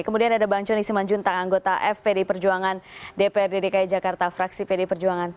kemudian ada bang joni simanjuntang anggota fpd perjuangan dprd dki jakarta fraksi pd perjuangan